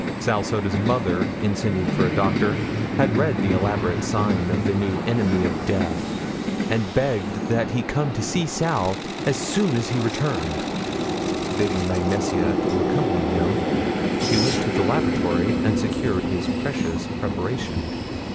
Sal Soda's mother, in sending for a doctor, had read the elaborate sign of the new enemy of death, and begged that he come to see Sal as soon as he returned. Bidding Mag Nesia to accompany him, he went to the laboratory and secured his precious preparation.